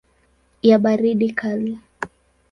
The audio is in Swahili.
ya baridi kali.